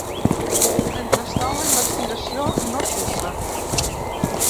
Mentrestant, la investigació no cessa.